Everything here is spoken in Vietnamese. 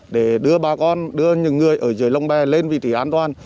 để đưa những người ở dưới lông bè lên vị trí an toàn